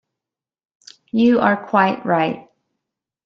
You are quite right.